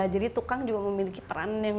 jadi tukang juga memiliki peran yang